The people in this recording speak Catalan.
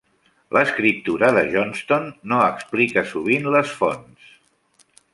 L'escriptura de Johnston no explica sovint les fonts.